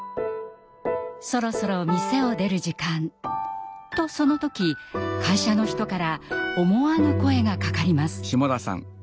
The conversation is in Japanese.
そろそろ店を出る時間。とその時会社の人から思わぬ声がかかります。